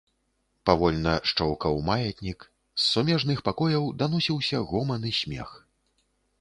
Павольна шчоўкаў маятнік, з сумежных пакояў даносіўся гоман і смех.